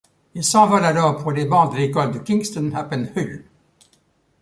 Il s'envole alors pour les bancs de l'école de Kingston-upon-Hull.